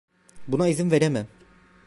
Buna izin veremem.